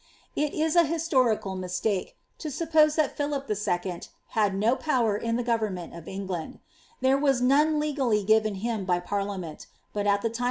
It is an his torical roistaike to suppose that Philip II. had no power in the govern ment of England ; there was none legally given him by parliament :' Warc> Annals, p.